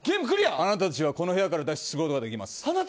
あなたたちはこの部屋から脱出することができます。